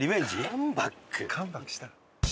カムバックしたら？